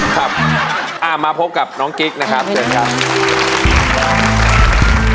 ครับมาพบกับน้องกิ๊กนะครับเชิญครับ